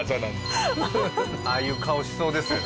ああいう顔しそうですよ